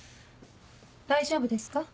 大丈夫ですか？